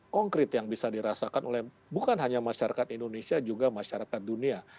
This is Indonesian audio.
konkret yang bisa dirasakan oleh bukan hanya masyarakat indonesia juga masyarakat dunia